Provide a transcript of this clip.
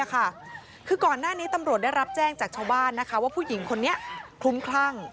คือก่อนหน้านี้ตำรวจได้รับแจ้งจากชาวบ้านว่าผู้หญิงคนนี้คลุ้มคลั่ง